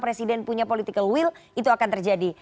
presiden punya political will itu akan terjadi